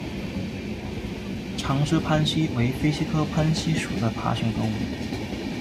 长肢攀蜥为飞蜥科攀蜥属的爬行动物。